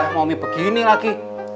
mami begini lagi